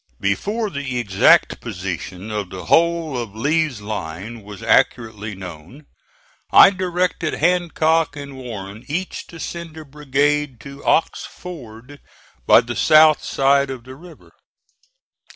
Before the exact position of the whole of Lee's line was accurately known, I directed Hancock and Warren each to send a brigade to Ox Ford by the south side of the river.